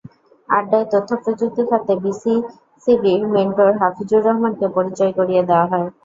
আড্ডায় তথ্যপ্রযুক্তি খাতে বিসিসিবির মেন্টর হাফিজুর রহমানকে পরিচয় করিয়ে দেওয়া হয়।